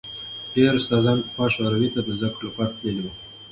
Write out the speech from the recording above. ډېر استادان پخوا شوروي ته د زدکړو لپاره تللي وو.